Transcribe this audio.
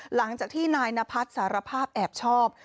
หลังจากที่นายนพัฒน์สารภาพแอบชอบ